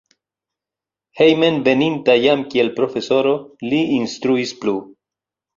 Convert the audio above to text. Hejmenveninta jam kiel profesoro li instruis plu.